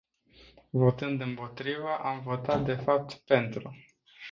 Votând împotrivă, am votat de fapt pentru.